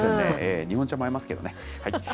日本茶も合いますけどね。